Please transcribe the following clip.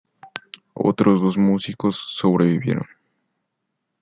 Otros dos músicos sobrevivieron.